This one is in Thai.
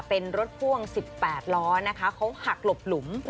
เป็นรถพ่วง๑๘ล้อนะคะเขาหักหลบหลุม